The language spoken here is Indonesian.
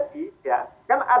bisa jadi ya pak aswanto